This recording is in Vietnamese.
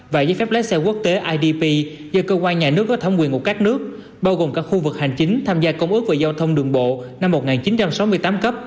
và giấy phép lái xe quốc tế idp do cơ quan nhà nước có thẩm quyền của các nước bao gồm cả khu vực hành chính tham gia công ước về giao thông đường bộ năm một nghìn chín trăm sáu mươi tám cấp